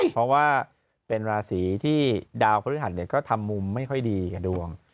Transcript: เพราะว่าเป็นราศรีที่ดาวพฤตศัตริย์เนี่ยก็ทำมุมไม่ค่อยดีกับดวง